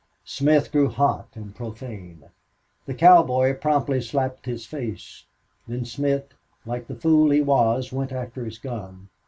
Smith grew hot and profane. The cowboy promptly slapped his face. Then Smith, like the fool he was, went after his gun.